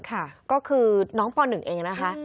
ก็คือน้องปหนึ่งเองนะคะ